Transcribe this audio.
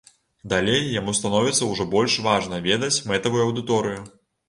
Далей яму становіцца ўжо больш важна ведаць мэтавую аўдыторыю.